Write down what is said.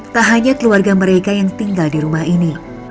tak hanya keluarga mereka yang tinggal di rumah ini